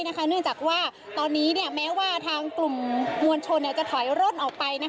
เนื่องจากว่าตอนนี้แม้ว่าทางกลุ่มมวลชนจะถอยร่นออกไป